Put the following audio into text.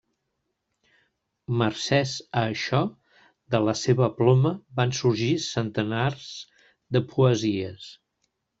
Mercès a això, de la seva ploma van sorgir centenars de poesies.